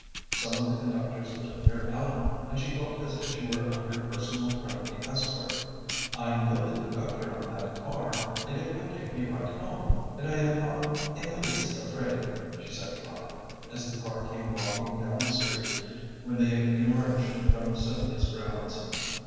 Some of the conductors lived near Ellen, and she felt as if she were under personal friendly escort. "I know the conductor on that car, and it would take me right home, and I am not in the least afraid," she said to Robert, as the car came rocking down the street when they emerged from Cynthia's grounds.